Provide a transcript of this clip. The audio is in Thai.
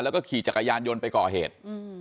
แล้วก็ขี่จักรยานยนต์ไปก่อเหตุ